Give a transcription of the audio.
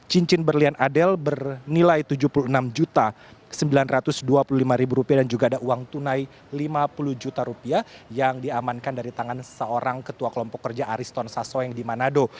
cincin berlian adel bernilai rp tujuh puluh enam sembilan ratus dua puluh lima dan juga ada uang tunai rp lima puluh juta rupiah yang diamankan dari tangan seorang ketua kelompok kerja ariston sasoeng di manado